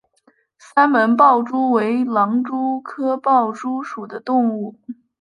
三门豹蛛为狼蛛科豹蛛属的动物。